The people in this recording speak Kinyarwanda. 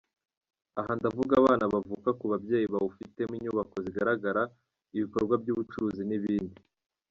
Aha ndavuga abana bavuka ku babyeyi bawufitemo inyubako zigaragara, ibikorwa by’ubucuruzi n’ibindi.